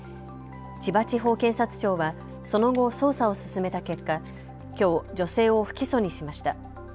千葉地方検察庁はその後捜査を進めた結果きょう女性を不起訴にしました。